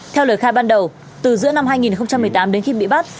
theo lời khai ban đầu từ giữa năm hai nghìn một mươi tám đến khi bị bắt